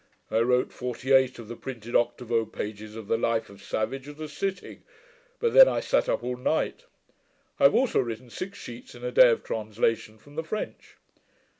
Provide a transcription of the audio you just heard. I wrote forty eight of the printed octavo pages of the life of Savage at a sitting; but then I sat up all night. I have also written six sheets in a day of translation from the French.'